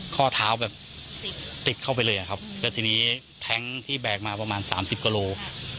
ข้อเท้าแบบติดเข้าไปเลยครับเพราะทีนี้แทงก์ที่แบกมาประมาณ๓๐กลัวโลกรัม